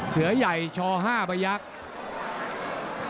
เสือใหญ่ช๕พยักษ์